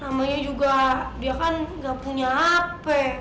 namanya juga dia kan nggak punya hp